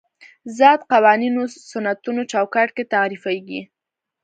ذات قوانینو سنتونو چوکاټ کې تعریفېږي.